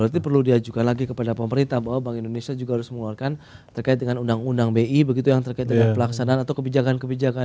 berarti perlu diajukan lagi kepada pemerintah bahwa bank indonesia juga harus mengeluarkan terkait dengan undang undang bi begitu yang terkait dengan pelaksanaan atau kebijakan kebijakan